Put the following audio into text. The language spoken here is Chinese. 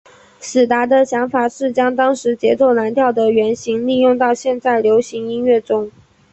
史达的想法是将当时节奏蓝调的原型利用到在流行音乐中。